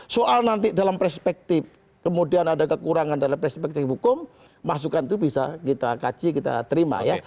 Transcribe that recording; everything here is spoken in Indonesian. soal nanti dalam perspektif kemudian ada kekurangan dalam perspektif hukum masukan itu bisa kita kaji kita terima ya